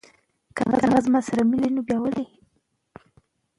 که مورنۍ ژبه وي، نو پوهیدلو کې ستونزې نه راځي.